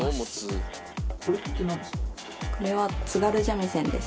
これは津軽三味線です。